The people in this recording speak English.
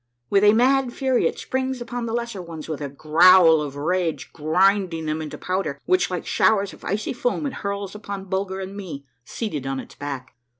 With a mad fury it springs upon the lesser ones with a growl of rage, grinding them to powder, which, like showers of icy foam, it hurls upon Bulger and me seated on its back.